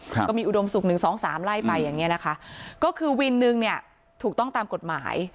ก็มีอุดมศุกร์หนึ่งสองสามไล่ไปอย่างเงี้ยนะคะก็คือวินหนึ่งเนี่ยถูกต้องตามกฎหมาย